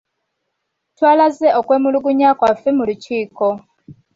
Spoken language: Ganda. Twalaze okwemulugunya kwaffe mu lukiiko.